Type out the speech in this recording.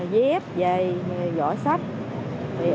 dép giày gõ sách